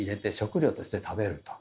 食料として食べると。